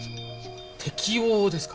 適応ですか？